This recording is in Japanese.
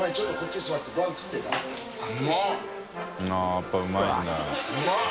やっぱりうまいんだ。